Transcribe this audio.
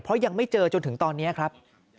เพราะยังไม่เจอจนถึงตอนนี้ครับ